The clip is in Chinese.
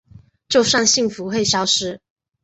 就算幸福会消失